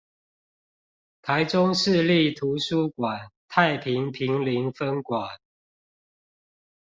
臺中市立圖書館太平坪林分館